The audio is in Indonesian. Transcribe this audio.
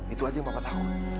itu aja yang papa takut